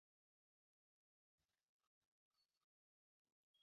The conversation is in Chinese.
下表详列了一级方程式车队布拉汉姆完整的世界锦标赛大奖赛成绩。